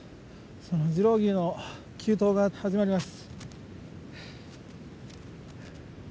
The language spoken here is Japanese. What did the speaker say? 次郎笈の急登が始まります。